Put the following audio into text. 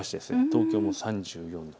東京も３４度。